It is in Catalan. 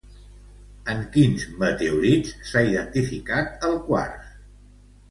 En quins meteorits s'ha identificat el quars?